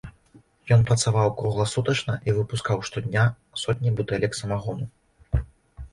Ён працаваў кругласутачна і выпускаў штодня сотні бутэлек самагону.